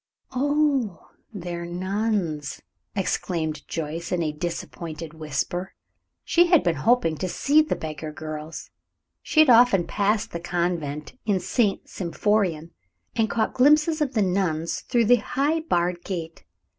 "Oh, they're nuns!" exclaimed Joyce, in a disappointed whisper. She had been hoping to see the beggar girls. She had often passed the convent in St. Symphorien, and caught glimpses of the nuns, through the high barred gate.